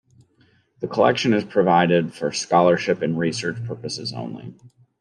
The collection is provided for "scholarship and research purposes only".